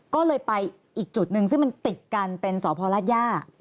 ก็เลยไปอีกจุดหนึ่งซึ่งมันติดกันเป็นสพรัฐย่า